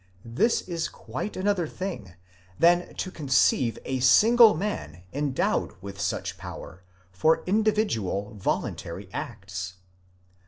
this 1s quite another thing, than to conceive a single man endowed with such power, for individual, voluntary acts.